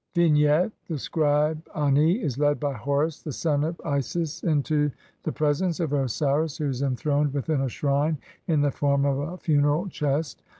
Vignette : The scribe Ani is led by Horus, the son of Isis, into the pre sence of Osiris who is enthroned within a shrine in the form of a funeral chest.